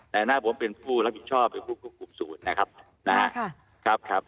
แต่หน้าผมเป็นผู้รับผิดชอบศูนย์นะครับ